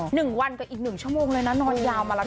หนึ่งวันก็อีกหนึ่งชั่วโมงเลยนะนอนยาวมาละนอนมากเลย